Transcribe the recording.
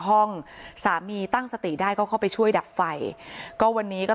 ห้องสามีตั้งสติได้ก็เข้าไปช่วยดับไฟก็วันนี้ก็